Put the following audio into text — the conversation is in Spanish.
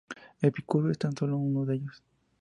El Picudo es tan sólo un de ellos.